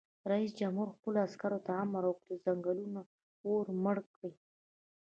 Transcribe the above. رئیس جمهور خپلو عسکرو ته امر وکړ؛ د ځنګلونو اور مړ کړئ!